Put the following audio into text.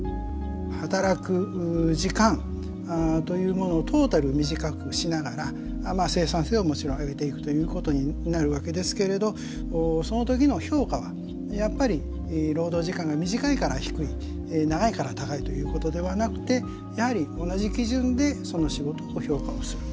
働く時間というものをトータル短くしながら生産性はもちろん上げていくということになるわけですけれどその時の評価はやっぱり労働時間が短いから低い長いから高いということではなくてやはり同じ基準でその仕事を評価をする。